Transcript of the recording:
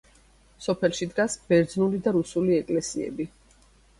სოფელში დგას ბერძნული და რუსული ეკლესიები.